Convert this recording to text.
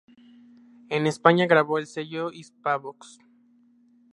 En España grabó en el sello Hispavox.